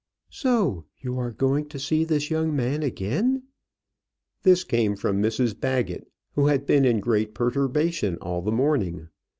"So you are going to see this young man again!" This came from Mrs Baggett, who had been in great perturbation all the morning.